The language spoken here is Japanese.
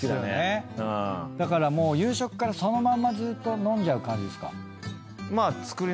だからもう夕食からそのまんまずーっと飲んじゃう感じですか？